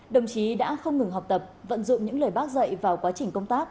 đồng chí đã không ngừng học tập vận dụng những lời bác dạy vào quá trình công tác